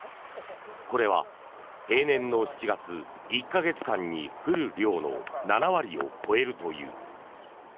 これは平年の７月１か月間に降る量の７割を超えるという。